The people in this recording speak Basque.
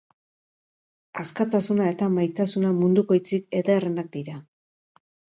Askatasuna eta maitasuna munduko hitzik ederrenak dira.